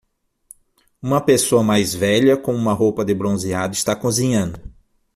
Uma pessoa mais velha com uma roupa de bronzeado está cozinhando.